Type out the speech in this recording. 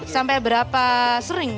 sampai berapa sering